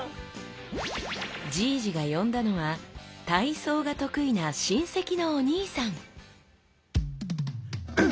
じいじが呼んだのは体操が得意な親戚のお兄さんウッ！